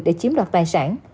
để chiếm đoạt tài sản